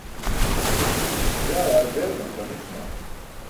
jaar aar beeruman kaam ećuma?